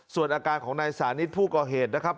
ส่วนอาการของนายสานิทผู้ก่อเหตุนะครับ